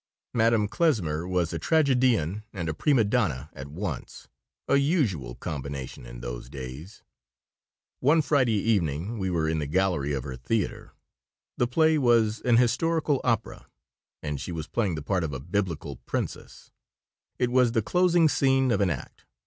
Madame Klesmer was a tragedienne and a prima donna at once a usual combination in those days One Friday evening we were in the gallery of her theater. The play was an "historical opera," and she was playing the part of a Biblical princess. It was the closing scene of an act.